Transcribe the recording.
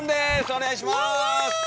お願いします！